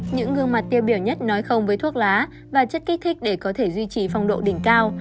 những gương mặt tiêu biểu nhất nói không với thuốc lá và chất kích thích để có thể duy trì phong độ đỉnh cao